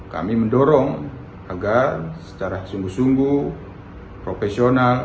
kami mendorong agar secara sungguh sungguh profesional